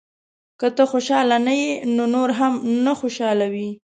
• که ته خوشحاله نه یې، نو نور هم نه خوشحالوې.